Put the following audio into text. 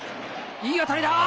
いい当たりだ。